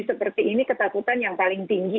seperti ini ketakutan yang paling tinggi